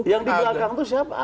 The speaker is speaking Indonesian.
yang di belakang itu siapa